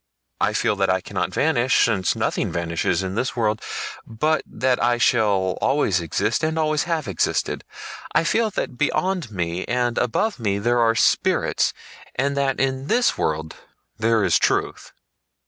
I feel that I cannot vanish, since nothing vanishes in this world, but that I shall always exist and always have existed. I feel that beyond me and above me there are spirits, and that in this world there is truth."